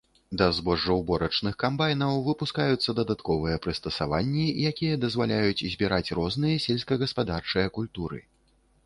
Да збожжаўборачных камбайнаў выпускаюцца дадатковыя прыстасаванні, якія дазваляюць збіраць розныя сельскагаспадарчыя культуры.